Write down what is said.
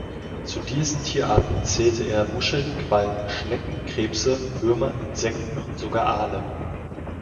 Zu diesen Tierarten zählte er Muscheln, Quallen, Schnecken, Krebse, Würmer, Insekten und sogar Aale.